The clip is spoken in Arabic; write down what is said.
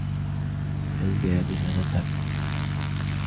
هيا بنا نذهب.